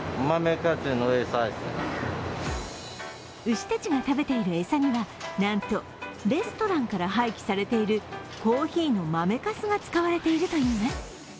牛たちが食べている餌にはなんとレストランから廃棄されているコーヒーの豆かすが使われているといいます。